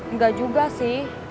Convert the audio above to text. nggak juga sih